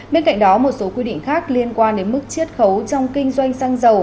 bên cạnh đó một số quy định khác liên quan đến mức chiết khấu trong kinh doanh xăng dầu